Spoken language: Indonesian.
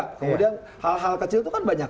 kemudian hal hal kecil itu kan banyak